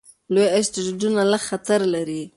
لوی اسټروېډونه لږ خطر لري.